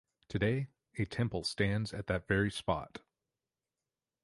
Today a temple stands at that very spot.